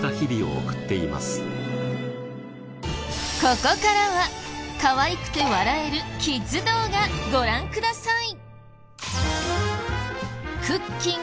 ここからはかわいくて笑えるキッズ動画ご覧ください。